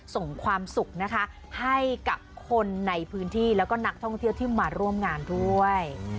ส่งความสุขนะคะให้กับคนในพื้นที่แล้วก็นักท่องเที่ยวที่มาร่วมงานด้วย